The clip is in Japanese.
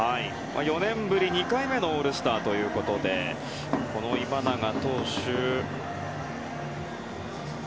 ４年ぶり２回目のオールスターということで今永投手。